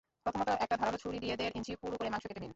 প্রথমত একটা ধারালো ছুরি দিয়ে দেড় ইঞ্চি পুরু করে মাংস কেটে নিন।